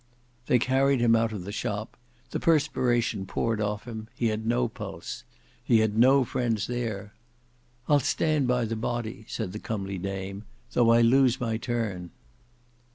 They carried him out of the shop; the perspiration poured off him; he had no pulse. He had no friends there. "I'll stand by the body," said the comely dame, "though I lose my turn."